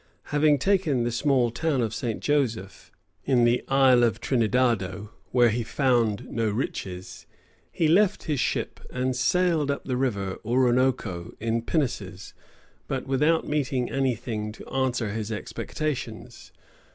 Having taken the small town of St. Joseph, in the Isle of Trinidado, where he found no riches, he left his ship, and sailed up the River Oroonoko in pinnaces, but without meeting any thing to answer his expectations.